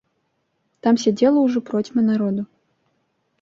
Там сядзела ўжо процьма народу.